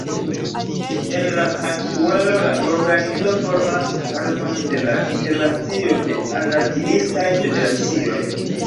En la aktualo la organizo formas parton de la Internacio de Anarkiistaj Federacioj.